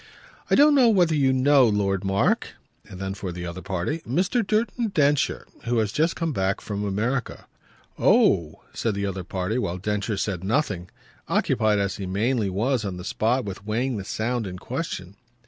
"I don't know whether you know Lord Mark." And then for the other party: "Mr. Merton Densher who has just come back from America." "Oh!" said the other party while Densher said nothing occupied as he mainly was on the spot with weighing the sound in question.